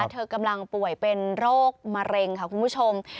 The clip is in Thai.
เธอกำลังป่วยเป็นโรคมะเร็งค่ะคุณผู้ชม